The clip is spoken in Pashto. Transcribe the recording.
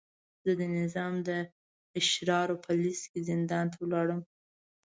زه د نظام د اشرارو په لست کې زندان ته ولاړم.